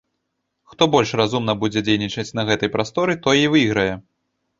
Хто больш разумна будзе дзейнічаць на гэтай прасторы, той і выйграе.